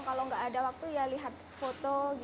kalau nggak ada waktu ya lihat foto